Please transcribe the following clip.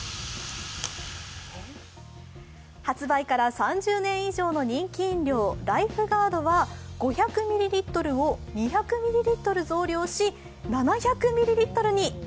発売から３０年以上の人気飲料ライフガードは５００ミリリットルを２００ミリリットル増量し、７００ミリリットルに。